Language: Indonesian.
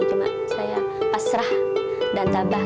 cuma saya pasrah dan tabah